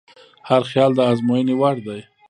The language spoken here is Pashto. هر خیال د ازموینې وړ دی.